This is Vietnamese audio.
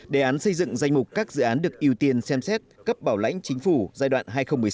đề án xây dựng danh mục các dự án được ưu tiên xem xét cấp bảo lãnh chính phủ giai đoạn hai nghìn hai mươi một hai nghìn hai mươi